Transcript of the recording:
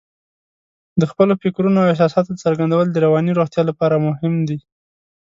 د خپلو فکرونو او احساساتو څرګندول د رواني روغتیا لپاره مهم دي.